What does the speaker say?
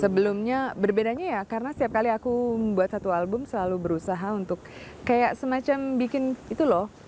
sebelumnya berbedanya ya karena setiap kali aku membuat satu album selalu berusaha untuk kayak semacam bikin itu loh